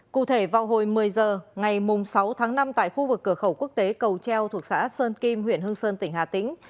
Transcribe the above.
cụ thể vào hồi một mươi h ngày sáu tháng năm tại khu vực cửa khẩu quốc tế cầu treo thuộc xã sơn kim huyện hương sơn tỉnh hà tĩnh